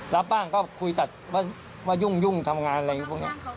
รับบ้างก็คุยตัดว่ายุ่งทำงานอะไรพวกนี้